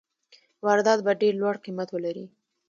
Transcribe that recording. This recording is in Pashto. واردات به ډېر لوړ قیمت ولري.